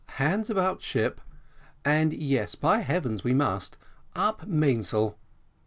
Hands about ship and yes, by heavens, we must! up mainsail."